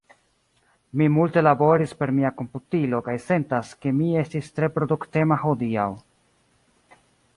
Mi multe laboris per mia komputilo, kaj sentas, ke mi estis tre produktema hodiaŭ.